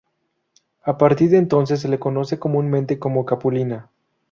A partir de entonces se le conoce comúnmente como Capulina.